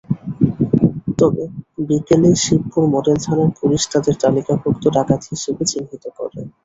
তবে বিকেলে শিবপুর মডেল থানার পুলিশ তাঁদের তালিকাভুক্ত ডাকাত হিসেবে চিহ্নিত করে।